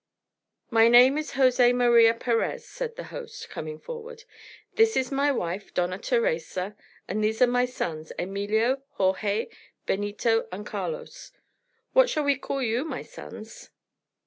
"My name is Jose Maria Perez," said the host, coming forward. "This is my wife, Dona Theresa, and these are my sons, Emilio, Jorge, Benito, and Carlos. What shall we call you, my sons?"